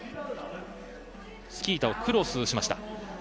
スキー板をクロスしました。